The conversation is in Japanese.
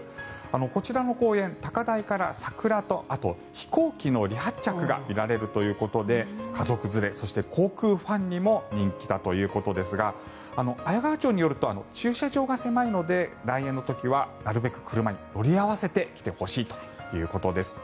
こちらの公園、高台から桜と飛行機の離発着が見られるということで家族連れそして航空ファンにも人気だということですが綾川町によると駐車場が狭いので来園の時はなるべく車で乗り合わせて来てほしいということです。